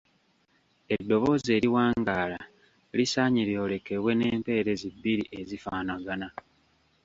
Eddoboozi eriwangaala lisaanye lyolekebwe n’empeerezi bbiri ezifaanagana.